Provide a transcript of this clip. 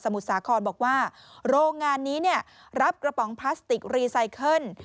มุทรสาครบอกว่าโรงงานนี้เนี่ยรับกระป๋องพลาสติกรีไซเคิล